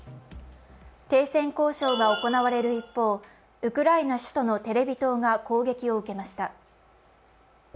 停戦交渉が行われる一方ウクライナ首都のテレビ塔が攻撃を受けました。